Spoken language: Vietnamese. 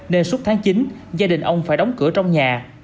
nên suốt tháng chín gia đình ông phải đóng cửa trong nhà